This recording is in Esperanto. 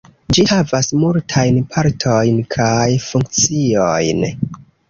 Ĝi havas multajn partojn kaj funkciojn.